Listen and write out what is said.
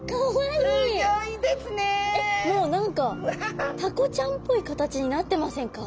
えっもう何かタコちゃんっぽい形になってませんか？